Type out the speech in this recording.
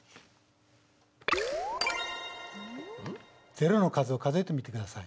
０の数を数えてみてください。